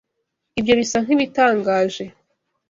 Ibyo bisa nkibitangaje.